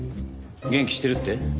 元気してるって？